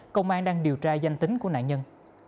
công an đang điều tra danh tính của nạn nhân